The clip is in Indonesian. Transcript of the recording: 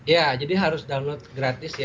ya jadi harus download gratis ya